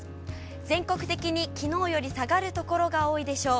全国的にきのうより下がる所が多いでしょう。